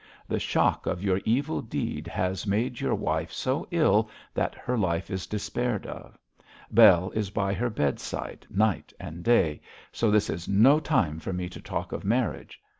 The shock of your evil deed has made your wife so ill that her life is despaired of. Bell is by her bedside night and day, so this is no time for me to talk of marriage.